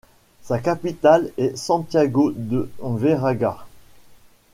Sa capitale est Santiago de Veraguas.